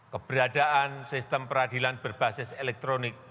keberadaan sistem peradilan berbasis elektronik